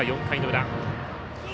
４回の裏。